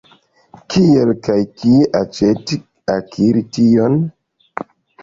Kiel kaj kie aĉeti, akiri tion?